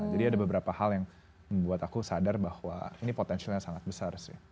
jadi ada beberapa hal yang membuat aku sadar bahwa ini potensialnya sangat besar sih